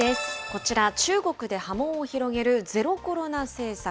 こちら、中国で波紋を広げるゼロコロナ政策。